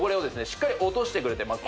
しっかり落としてくれてます